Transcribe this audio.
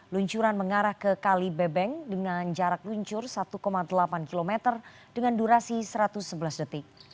luncuran mengarah ke kali bebeng dengan jarak luncur satu delapan km dengan durasi satu ratus sebelas detik